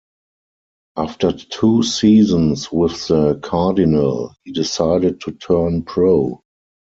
After two seasons with the Cardinal, he decided to turn pro.